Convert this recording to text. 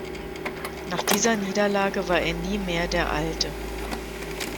Nach dieser Niederlage war er nie mehr der Alte.